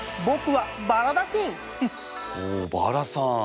おおバラさん。